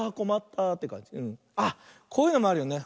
あっこういうのもあるよね。